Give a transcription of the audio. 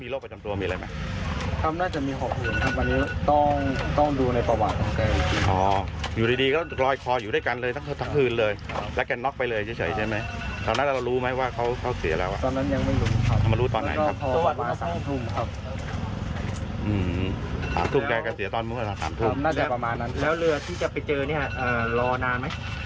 แล้วเรือที่จะไปเจอเนี่ยรอนานไหม